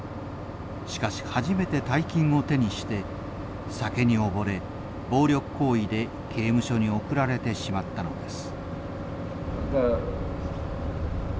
しかし初めて大金を手にして酒におぼれ暴力行為で刑務所に送られてしまったのです。